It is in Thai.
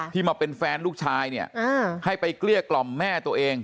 มาเป็นแฟนลูกชายเนี่ยให้ไปเกลี้ยกล่อมแม่ตัวเอง